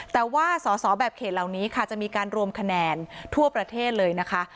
แต่ว่าสอสอแบบเขตเหล่านี้ค่ะจะมีการรวมคะแนนทั่วประเทศเลยนะคะ